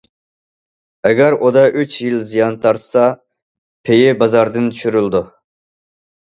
ئەگەر ئۇدا ئۈچ يىل زىيان تارتسا، پېيى بازاردىن چۈشۈرۈلىدۇ.